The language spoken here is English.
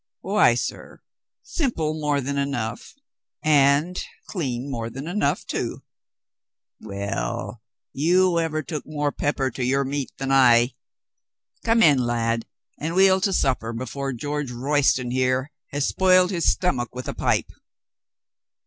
"Why, sir, simple more than enough — and clean more than enough, too." "Well, you ever took more pepper to your meat than L Come in, lad, and we'll to supper before HE SEES HIS INSPIRATION 39 George Royston here has spoiled his stomach with a pipe.